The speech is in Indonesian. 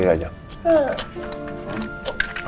oh dia mau sama papa